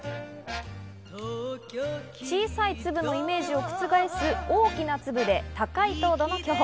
小さい粒のイメージを覆す大きな粒で高い糖度の巨峰。